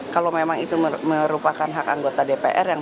kalau memang itu merupakan hak anggota dpr